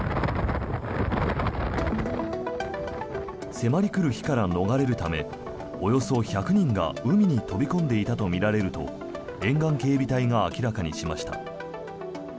迫り来る火から逃れるためおよそ１００人が海に飛び込んでいたとみられると沿岸警備隊が明らかにしました。